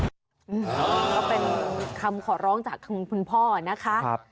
ก็เป็นคำขอร้องจากคุณพ่อนะคะ